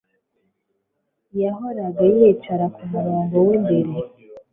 Yahoraga yicara ku murongo w'imbere.